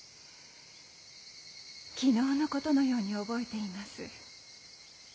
昨日のことのように覚えています。